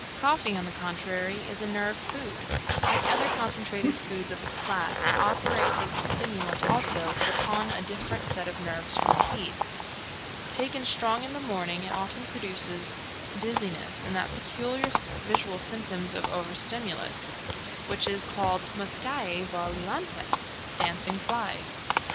Coffee, on the contrary, is a nerve food. Like other concentrated foods of its class, it operates as a stimulant also, but upon a different set of nerves from tea. Taken strong in the morning, it often produces dizziness and that peculiar visual symptom of overstimulus which is called muscae volilantes dancing flies.